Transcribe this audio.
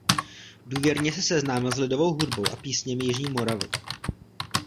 Důvěrně se seznámil s lidovou hudbou a písněmi jižní Moravy.